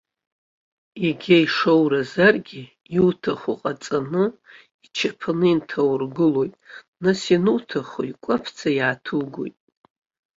Егьа ишоуразаргьы иуҭаху ҟаҵаны, ичаԥаны инҭаургылоит, нас иануҭаху икәаԥӡа иааҭугоит.